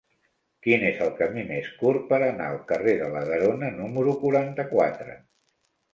Quin és el camí més curt per anar al carrer de la Garona número quaranta-quatre?